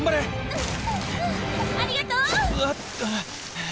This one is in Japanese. うん！